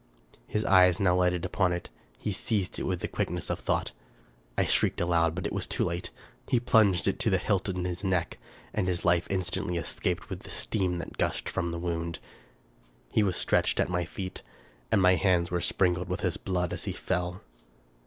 His eye now lighted upon it; he seized it with the quickness of thought. I shrieked aloud, but it was too late. He plunged it to the hilt in his neck ; and his life instantly escaped with the stream that gushed from the wound. He was stretched at my feet; and my hands were sprinkled with his blood as he fell.